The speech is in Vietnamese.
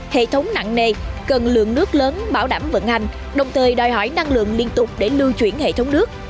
hệ thống nặng nề cần lượng nước lớn bảo đảm vận hành đồng thời đòi hỏi năng lượng liên tục để lưu chuyển hệ thống nước